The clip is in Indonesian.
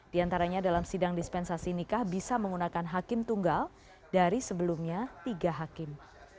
di antaranya dalam sidang dispensasi nikah bisa menggunakan hakim tunggal dari sebelumnya tiga hakim